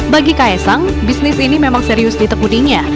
bagi ks sang bisnis ini memang serius ditekuninya